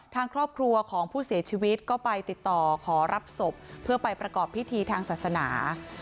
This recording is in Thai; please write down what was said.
ทางครอบครัวของผู้เสียชีวิตก็ไปติดต่อขอรับศพเพื่อไปประกอบพิธีทางศาสนา